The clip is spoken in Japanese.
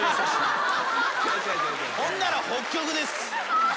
ほんなら北極です。